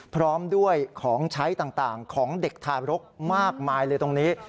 พร้อมด้วยของใช้ต่างของเด็กทารกมากมายเลยตรงนี้